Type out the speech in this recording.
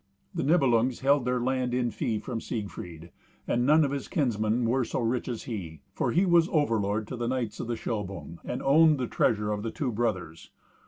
The Nibelungs held their land in fee from Siegfried, and none of his kinsmen were so rich as he. For he was overlord to the knights of Shilbung, and owned the treasure of the two brothers.